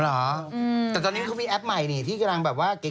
เหรอแต่ตอนนี้เขามีแอปใหม่นี่ที่กำลังแบบว่าเก๋